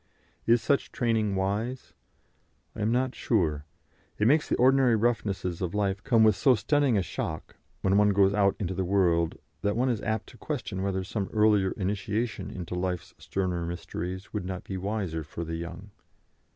Is such training wise? I am not sure. It makes the ordinary roughnesses of life come with so stunning a shock, when one goes out into the world, that one is apt to question whether some earlier initiation into life's sterner mysteries would not be wiser for the young.